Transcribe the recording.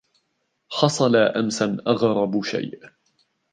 حصل أمْساً أغرب شيء.